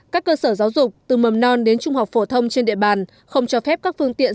các cơ sở giáo dục từ mầm non đến trung học phổ thông trên địa bàn không cho phép các phương tiện